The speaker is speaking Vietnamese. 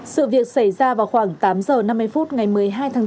sự việc xảy ra vào khoảng tám h năm mươi phút ngày một mươi hai tháng tám